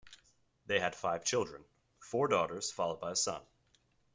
They had five children: four daughters followed by a son.